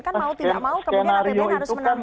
kan mau tidak mau kemudian apbn harus menanggung